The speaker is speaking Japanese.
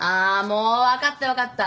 もう分かった分かった。